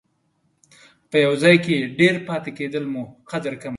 په یو ځای کې ډېر پاتې کېدل مو قدر کموي.